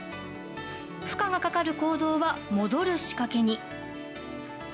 負荷がかかる行動は戻る仕掛けに。